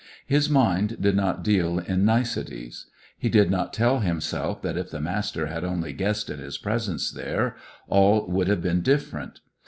His mind did not deal in niceties. He did not tell himself that if the Master had only guessed at his presence there, all would have been different.